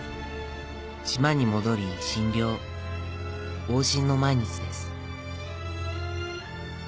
島に戻り診療往診の毎日です」